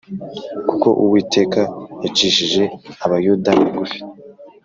kuko Uwiteka yacishije Abayuda bugufi